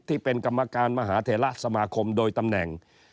ที่เป็นกรรมการมหาเทระสมาคมโดยตำแหน่ง